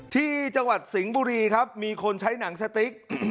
ที่จังหวัดสิงห์บุรีครับมีคนใช้หนังสติ๊ก